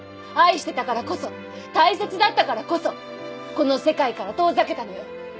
愛してたからこそ大切だったからこそこの世界から遠ざけたのよ。